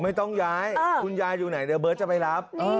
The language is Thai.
ไม่ต้องย้ายคุณยายอยู่ไหนเดี๋ยวเบิร์ตจะไปรับ